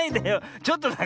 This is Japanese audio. ちょっとだから。